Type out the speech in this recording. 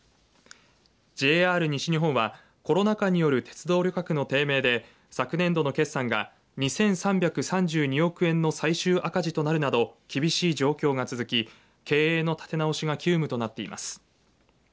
ＪＲ西日本はコロナ禍による鉄道旅客の低迷で昨年度の決算が２３３２億円の最終赤字となるなど厳しい状況が続き経営の立て直しが急務となっています。